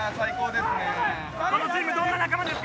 このチーム、どんな仲間です